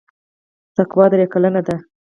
تقوا درې کلنه ده.